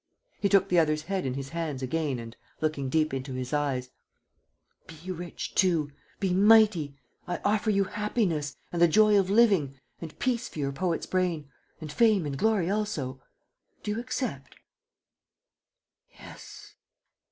He took the other's head in his hands again and, looking deep into his eyes: "Be rich, too ... be mighty. ... I offer you happiness ... and the joy of living ... and peace for your poet's brain ... and fame and glory also. ... Do you accept?" "Yes